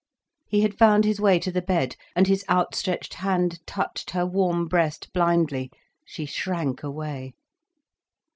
He had found his way to the bed, and his outstretched hand touched her warm breast blindly. She shrank away.